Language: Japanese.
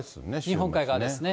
日本海側ですね。